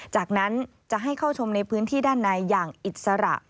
จากนั้นจะให้เข้าชมในพื้นที่ด้านในอย่างอิสระ